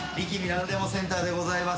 なんでもセンターでございます。